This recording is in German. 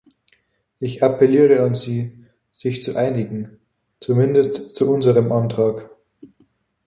Ich appelliere an Sie, sich zu einigen, zumindest zu unserem Antrag.